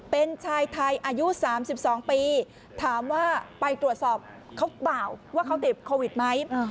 เป็นชายไทยอายุ๓๒ปีถามว่าไปตรวจสอบเขาเปล่าว่าเขาติดโควิดไหม